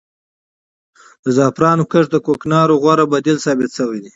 د زعفرانو کښت د کوکنارو غوره بدیل ثابت شوی دی.